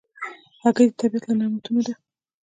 هګۍ د طبیعت له نعمتونو ده.